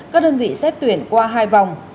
các đơn vị xét tuyển qua hai vòng